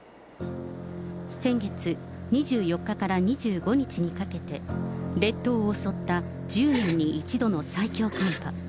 先月２４日から２５日にかけて列島を襲った１０年に一度の最強寒波。